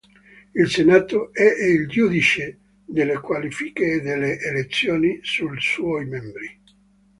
Il Senato è il giudice delle qualifiche e delle elezioni dei suoi membri.